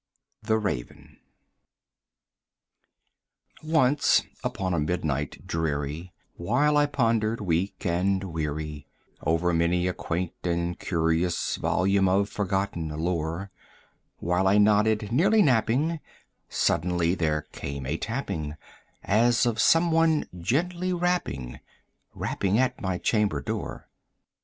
THE RAVEN Once upon a midnight dreary, while I pondered, weak and weary, Over many a quaint and curious volume of, forgotten lore, While I nodded, nearly napping, suddenly there came a tapping, As of some one gently rapping, rapping at my chamber door.